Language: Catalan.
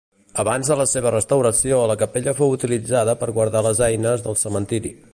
Abans de la seva restauració la capella fou utilitzada per guardar les eines del cementiri.